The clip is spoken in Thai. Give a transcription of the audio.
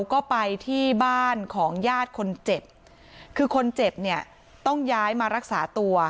ก็ไปที่บ้านของญาติคนเจ็บคือคนเจ็บเนี่ยต้องย้ายมารักษาตัว